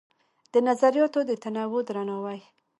د نظریاتو د تنوع درناوی